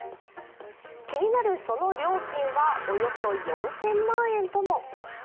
気になるその料金はおよそ４０００万円とも。